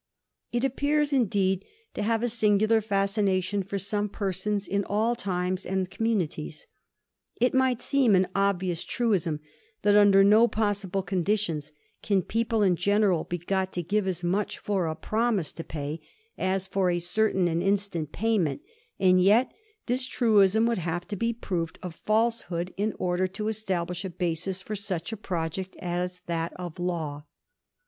It appears, indeed, to have a singular fascination for some persons in all times and communities. It might seem an obvious truism that under no possible conditions can people in general be got to give as much for a promise to pay as for a certain and instant payment j and yet this truism would have to be proved a Msehood in Digiti zed by Google 1720. DISASTER 255 order to establish a basis for such a project as that of Law.